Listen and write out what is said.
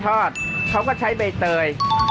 ปู่พญานาคี่อยู่ในกล่อง